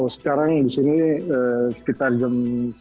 sekarang disini sekitar jam sebelas